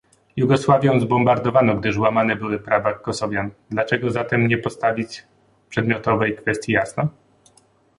Jugosławię zbombardowano gdyż łamane były prawa Kosowian, dlaczego zatem nie postawić przedmiotowej kwestii jasno?